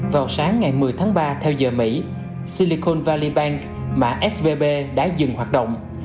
vào sáng ngày một mươi tháng ba theo giờ mỹ silicon valley bank đã dừng hoạt động